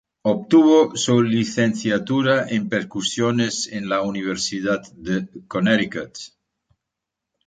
Obtuvo su licenciatura en percusiones en la Universidad de Connecticut.